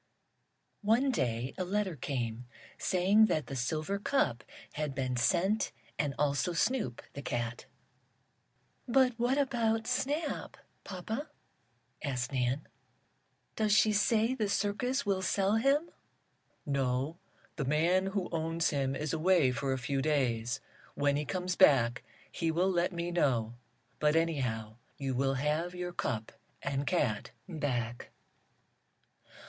One day a letter came, saying that the silver cup had been sent, and also Snoop, the cat. "But what about Snap, papa?" asked Nan. "Does she say the circus will sell him?" "No, the man who owns him is away for a few days. When he comes back he will let me know. But, anyhow, you will have your cup and cat back."